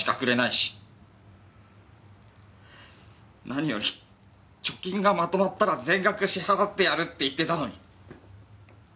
なにより貯金がまとまったら全額支払ってやるって言ってたのに。